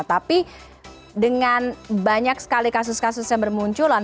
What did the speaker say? tapi dengan banyak sekali kasus kasus yang bermunculan